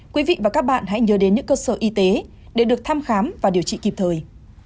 quý vị và các bạn hãy nhớ đến những cơ sở y tế để được thăm khám và điều trị kịp thời